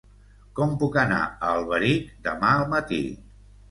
Com puc anar a Alberic demà al matí?